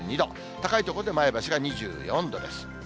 高い所で前橋が２４度です。